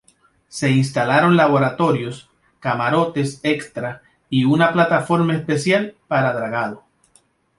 Se instalaron laboratorios, camarotes extra, y una plataforma especial para dragado.